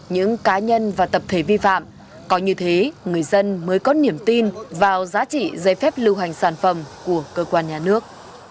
những cá nhân và tập thể vi phạm có như thế người dân mới có niềm tin vào giá trị giấy phép lưu hành sản phẩm của cơ quan nhà nước